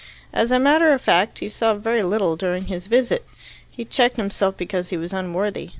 As a matter of fact, he saw them very little during his visit. He checked himself because he was unworthy.